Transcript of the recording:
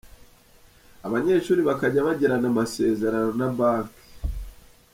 Abanyeshuri bakajya bagirana amasezerano na banki.